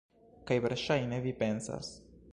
Kaj verŝajne vi pensas: